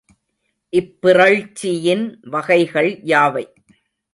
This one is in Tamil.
இப்பிறழ்ச்சியின் வகைகள் யாவை?